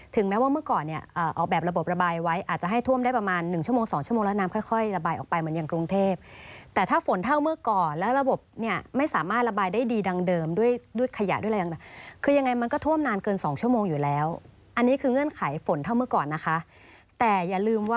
แม้ว่าเมื่อก่อนเนี่ยออกแบบระบบระบายไว้อาจจะให้ท่วมได้ประมาณหนึ่งชั่วโมงสองชั่วโมงแล้วน้ำค่อยค่อยระบายออกไปเหมือนอย่างกรุงเทพแต่ถ้าฝนเท่าเมื่อก่อนแล้วระบบเนี่ยไม่สามารถระบายได้ดีดังเดิมด้วยด้วยขยะด้วยอะไรต่างคือยังไงมันก็ท่วมนานเกินสองชั่วโมงอยู่แล้วอันนี้คือเงื่อนไขฝนเท่าเมื่อก่อนนะคะแต่อย่าลืมว่า